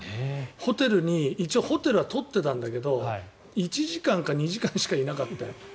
ホテルに一応、ホテルは取ってたんだけど１時間か２時間しかいなかったよ。